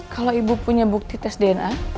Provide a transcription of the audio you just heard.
kalau ibu punya bukti tes dna